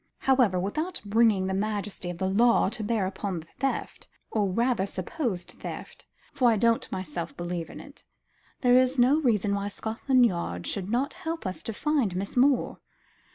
"However, without bringing the majesty of the law to bear upon the theft, or rather supposed theft for I don't myself believe in it there is no reason why Scotland Yard should not help us to find Miss Moore.